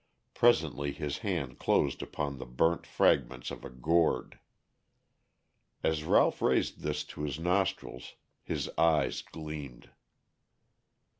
Presently his hand closed upon the burnt fragments of a gourd. As Ralph raised this to his nostrils his eyes gleamed.